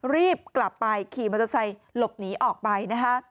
รีบกลับไปขี่มันจะใส่หลบหนีออกไป